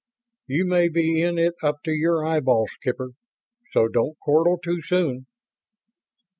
"You may be in it up to the eyeballs, Skipper, so don't chortle too soon."